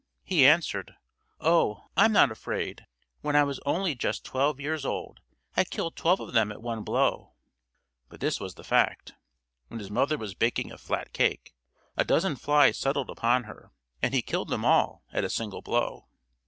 He answered: "Oh, I'm not afraid. When I was only just twelve years old, I killed twelve of them at one blow!" But this was the fact: when his mother was baking a flat cake, a dozen flies settled upon her, and he killed them all at a single blow.